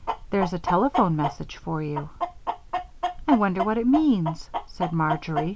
There's a telephone message for you.'" "I wonder what it means," said Marjory.